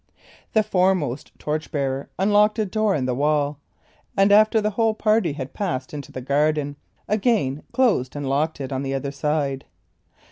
The foremost torch bearer unlocked a door in the wall, and after the whole party had passed into the garden, again closed and locked it on the other side.